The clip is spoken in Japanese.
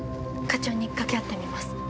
課長に掛け合ってみます。